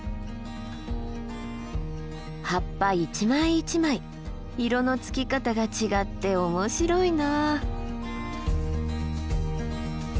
葉っぱ一枚一枚色のつき方が違って面白いな。